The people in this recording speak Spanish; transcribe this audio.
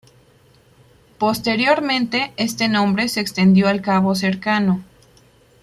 Posteriormente este nombre se extendió al cabo cercano.